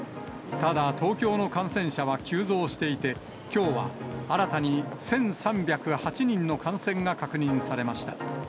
ただ、東京の感染者は急増していて、きょうは新たに１３０８人の感染が確認されました。